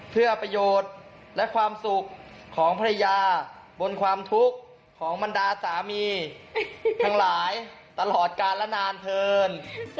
เพื่อประโยชน์และความสุขของภรรยาบนความทุกข์ของบรรดาสามีทั้งหลายตลอดกาลและนานเถิน